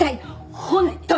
本当に！